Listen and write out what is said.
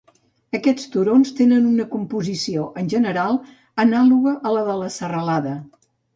Aquests turons tenen una composició, en general, anàloga a la de la Serralada.